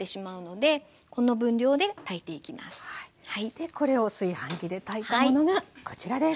でこれを炊飯器で炊いたものがこちらです。